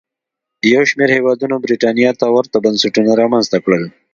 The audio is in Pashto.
یو شمېر هېوادونو برېټانیا ته ورته بنسټونه رامنځته کړل.